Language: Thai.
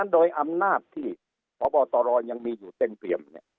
โดยอำนาจที่พบตรยังมีอยู่เต็มเปรียม